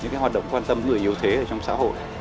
những hoạt động quan tâm người yếu thế ở trong xã hội